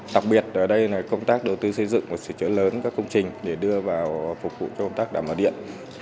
đặc biệt ở đây là công tác đầu tư xây dựng và sửa chữa lớn các công trình để đưa vào phục vụ cho công tác đảm bảo điện